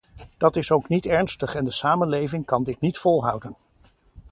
Dat is ook niet ernstig en de samenleving kan dit niet volhouden.